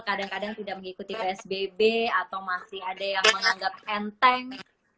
kadang kadang tidak mengikuti psbb atau masih ada yang menganggap enteng